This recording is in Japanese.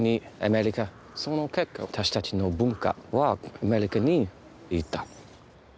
その結果私たちの文化はアメリカに行った。